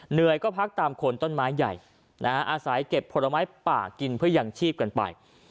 เหนื่อยก็พักตามคนต้นไม้ใหญ่อาศัยเก็บผลไม้ป่ากินเพื่อยังชีพกันไป